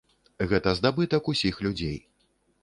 Гэта здабытак усіх людзей.